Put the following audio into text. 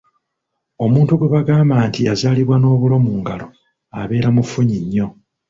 Omuntu gwe bagamba nti yazaalibwa n'obulo mu ngalo abeera mufunyi nnyo.